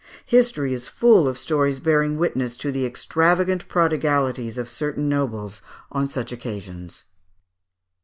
History is full of stories bearing witness to the extravagant prodigalities of certain nobles on such occasions.